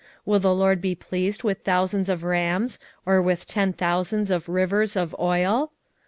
6:7 Will the LORD be pleased with thousands of rams, or with ten thousands of rivers of oil?